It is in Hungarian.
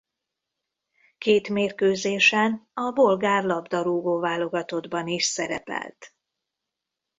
Két mérkőzésen a bolgár labdarúgó-válogatottban is szerepelt.